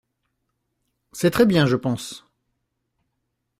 C’est très bien, je pense.